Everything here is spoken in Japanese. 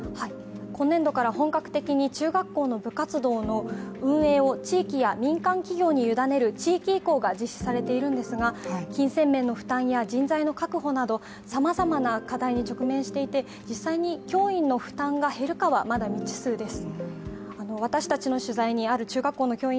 今年度から本格的に中学校の部活動の運営を地域や民間企業に委ねる地域移行が実施されているんですが金銭面の負担や人材の確保など、さまざまな課題に直面していて実際に教員の負担が減るかはまだ未知数です。